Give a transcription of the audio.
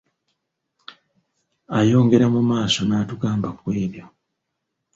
Ayongera mu maaso n’atugamba ku ebyo